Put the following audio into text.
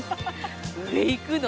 「上行くの？」